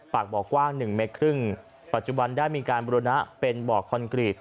ปากบ่ากว้าง๑๕มปัจจุบันได้มีการบรณะเป็นบ่อคอนกรีต